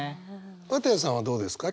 綿矢さんはどうですか？